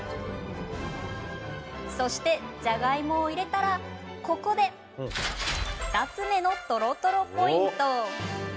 そして、じゃがいもを入れたらここで２つ目のとろとろポイント。